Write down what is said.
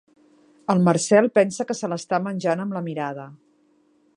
El Marcel pensa que se l'està menjant amb la mirada.